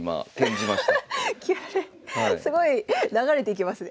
すごい流れていきますね。